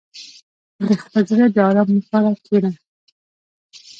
• د خپل زړه د آرام لپاره کښېنه.